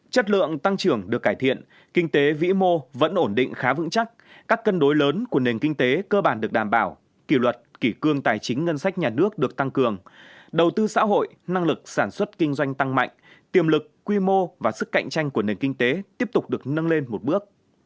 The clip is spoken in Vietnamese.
chất lượng tăng trưởng được cải thiện kinh tế vĩ mô vẫn ổn định khá vững chắc các cân đối lớn của nền kinh tế cơ bản được đảm bảo kỷ luật kỷ cương tài chính ngân sách nhà nước được tăng cường đầu tư xã hội năng lực sản xuất kinh doanh tăng mạnh tiềm lực quy mô và sức cạnh tranh của nền kinh tế tiếp tục được nâng lên một bước